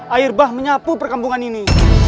air bah menyapu perkampungan ini